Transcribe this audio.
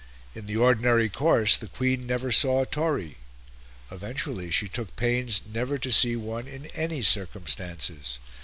In the ordinary course, the Queen never saw a Tory: eventually she took pains never to see one in any circumstances.